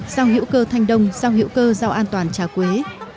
sao hiệu cơ thanh đông sao hiệu cơ rau an toàn trà quế